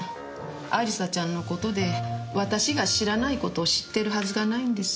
亜里沙ちゃんのことで私が知らないことを知ってるはずがないんです。